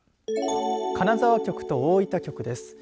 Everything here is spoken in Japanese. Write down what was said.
金沢局と大分局です。